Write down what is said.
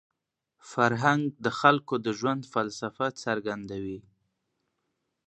فرهنګ د خلکو د ژوند فلسفه څرګندوي.